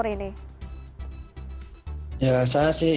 apa yang kamu ingin katakan pada saat ini